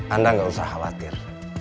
anda gak usah khawatir